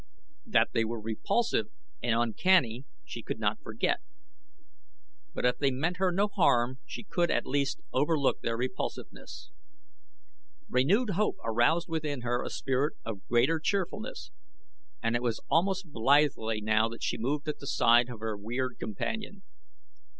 That they were repulsive and uncanny she could not forget, but if they meant her no harm she could, at least, overlook their repulsiveness. Renewed hope aroused within her a spirit of greater cheerfulness, and it was almost blithely now that she moved at the side of her weird companion.